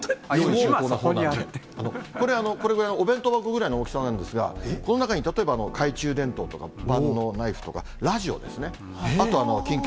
これ、これぐらい、お弁当箱ぐらいの大きさなんですが、この中に例えば、懐中電灯とか万能ナイフとか、ラジオですね、あとは緊急、